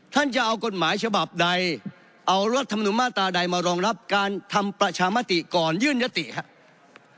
ท่านจะเอากฎหมายฉบับใดเอารัฐธรรมนุมมาตราใดมารองรับการทำประชามติก่อนยื่นยติครับ